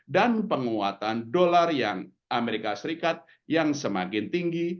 dan penguatan dolar yang as yang semakin tinggi